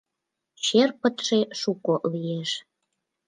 Черпытше шуко лиеш.